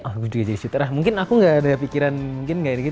ah gue juga jadi shooter lah mungkin aku gak ada pikiran mungkin gak ada gitu